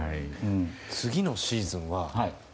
次のシーズンは。